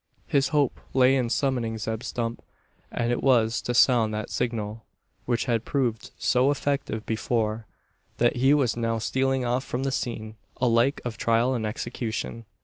His hope lay in summoning Zeb Stump, and it was to sound that signal which had proved so effective before that he was now stealing off from the scene, alike of trial and execution.